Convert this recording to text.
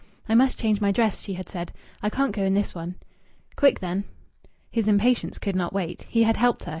"I must change my dress," she had said. "I can't go in this one." "Quick, then!" His impatience could not wait. He had helped her.